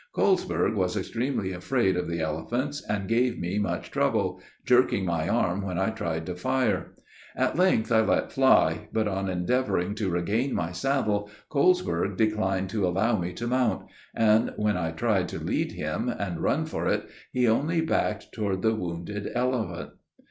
Colesberg was extremely afraid of the elephants, and gave me much trouble, jerking my arm when I tried to fire. At length I let fly; but, on endeavoring to regain my saddle, Colesberg declined to allow me to mount; and when I tried to lead him, and run for it, he only backed toward the wounded elephant.